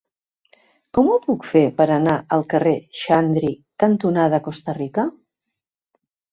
Com ho puc fer per anar al carrer Xandri cantonada Costa Rica?